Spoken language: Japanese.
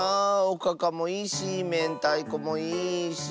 おかかもいいしめんたいこもいいし。